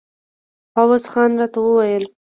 عوض خان راته ویل.